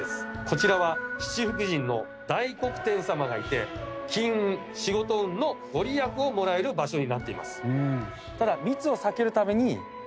こちらは七福神の大黒天様がいて金運仕事運のご利益をもらえる場所になっています。